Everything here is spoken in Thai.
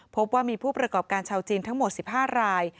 พบว่ามีผู้ประกอบการชาวจีนทั้งหมด๑๕ราย